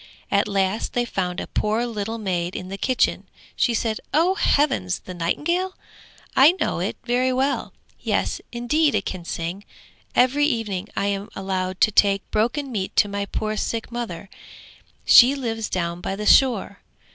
At last they found a poor little maid in the kitchen. She said, 'Oh heavens, the nightingale? I know it very well. Yes, indeed it can sing. Every evening I am allowed to take broken meat to my poor sick mother: she lives down by the shore.